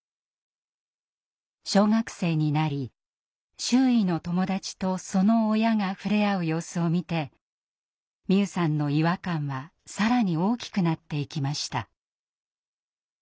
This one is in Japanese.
小学生になり周囲の友達とその親が触れ合う様子を見て美夢さんの違和感は更に大きくなっていきました。